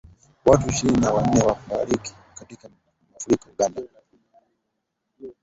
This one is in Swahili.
Watu ishirini na wanne wafariki katika mafuriko Uganda